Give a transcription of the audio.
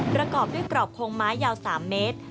ประกอบด้วยกรอบโครงไม้ยาว๓เมตร